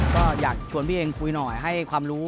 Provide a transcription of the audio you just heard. ก็อยากชวนพี่เองคุยหน่อยให้ความรู้